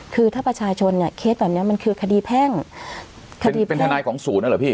คือถ้าประชาชนเนี่ยเคสแบบนี้มันคือคดีแพ่งคดีเป็นทนายของศูนย์เหรอพี่